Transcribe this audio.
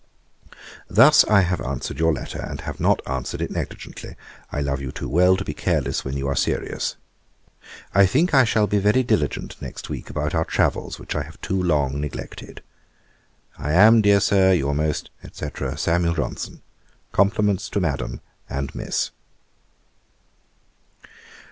'Thus I have answered your letter, and have not answered it negligently. I love you too well to be careless when you are serious. 'I think I shall be very diligent next week about our travels, which I have too long neglected. 'I am, dear Sir, 'Your most, &c., 'SAM. JOHNSON.' 'Compliments to Madam and Miss.'